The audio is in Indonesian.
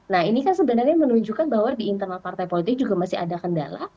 nah ini kan sebenarnya menunjukkan bahwa di internal partai politik juga masih ada kendala